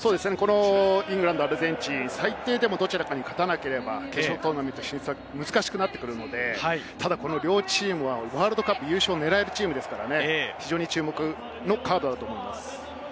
イングランド対アルゼンチン、最低でもどちらかに勝たなければ決勝トーナメント進出は難しくなってくるので、ただこの両チームはワールドカップの優勝狙えるチームですから。